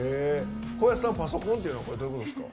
パソコンっていうのはどういうことですか？